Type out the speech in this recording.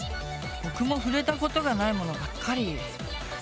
僕も触れたことがないものばっかり！